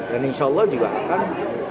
dan insya allah juga akan